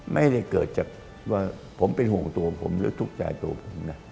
ไม่ได้เกิดจากว่าผมเป็นห่วงตัวผมหรือทุกข์ใจตัวผมนะ